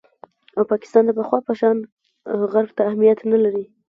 او پاکستان د پخوا په شان غرب ته اهمیت نه لري